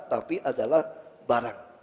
tapi adalah barang